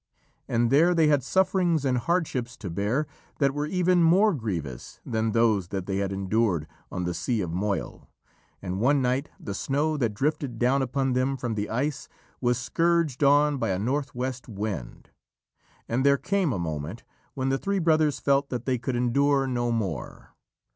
And there they had sufferings and hardships to bear that were even more grievous than those that they had endured on the Sea of Moyle, and one night the snow that drifted down upon them from the ice was scourged on by a north west wind, and there came a moment when the three brothers felt that they could endure no more.